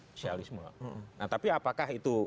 sosialisme nah tapi apakah itu